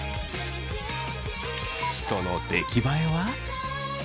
その出来栄えは？